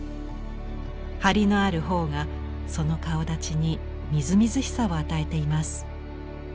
張りのある頬がその顔だちにみずみずしさを与えています。